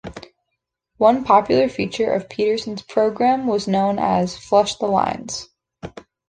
One popular feature of Peterson's program was known as Flush The Lines.